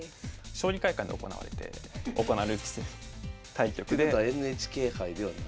将棋会館で行われて行われる棋戦対局で。ってことはＮＨＫ杯ではない。